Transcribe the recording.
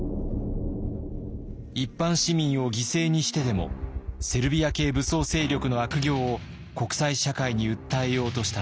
一般市民を犠牲にしてでもセルビア系武装勢力の悪行を国際社会に訴えようとしたのです。